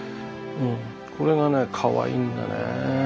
これがねかわいいんだよね。